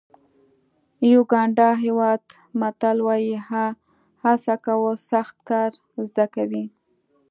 د یوګانډا هېواد متل وایي هڅه کول سخت کار زده کوي.